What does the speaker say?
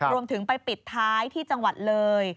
รวมไปถึงไปปิดท้ายที่จังหวัดเลย